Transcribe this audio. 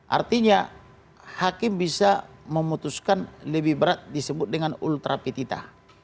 artinya hakim bisa memutuskan lebih berat disebut dengan ultrapitita